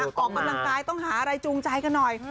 ออกกำลังกายต้องหาอะไรจูงใจกันหน่อย